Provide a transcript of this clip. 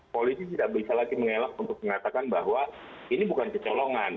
polisi tidak bisa lagi mengelak untuk mengatakan bahwa ini bukan kecolongan